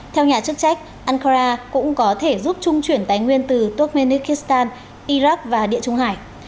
theo nhà chức trách ankara cũng có thể giúp trung chuyển tài nguyên từ tokmenikistan iraq và địa trung hải